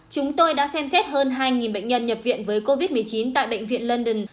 chúng tôi đã xem xét hơn hai bệnh nhân nhập viện với covid một mươi chín tại bệnh viện london